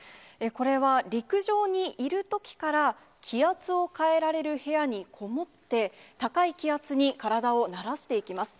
これは陸上にいるときから、気圧を変えられる部屋に籠もって、高い気圧に体を慣らしていきます。